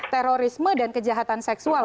terorisme dan kejahatan seksual